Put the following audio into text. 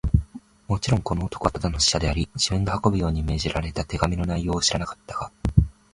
もちろん、この男はただの使者であり、自分が運ぶように命じられた手紙の内容を知らなかったが、